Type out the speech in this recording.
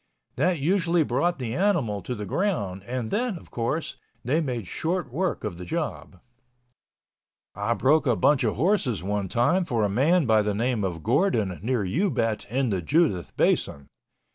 That usually brought the animal to the ground and then, of course, they made short work of the job. I broke a bunch of horses one time for a man by the name of Gordon near Ubet in the Judith Basin.